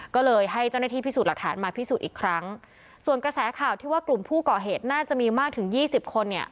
ก็เลยให้เจ้าหน้าที่พิสูจน์หลักฐานมาพิสูจน์อีกครั้งส่วนกระแสข่าวที่ว่ากลุ่มผู้ก่อเหตุน่าจะมีมากถึงยี่สิบคนเนี่ย